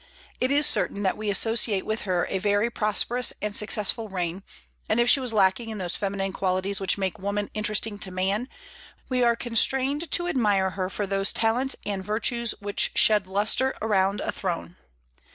It is certain that we associate with her a very prosperous and successful reign; and if she was lacking in those feminine qualities which make woman interesting to man, we are constrained to admire her for those talents and virtues which shed lustre around a throne.